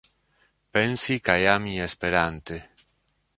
Pensi kaj ami esperante.